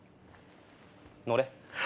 乗れ。